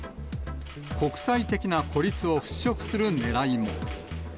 国際的な孤立を払拭するねらいも。